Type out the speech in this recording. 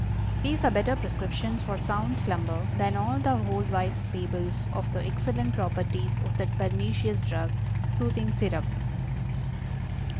These are better prescriptions for sound slumber than all the old wives' fables of the excellent properties of that pernicious drug—Soothing Syrup.